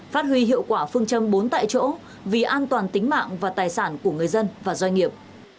phát huy hiệu quả phương châm bốn tại chỗ vì an toàn tính mạng và tài sản của người dân và doanh nghiệp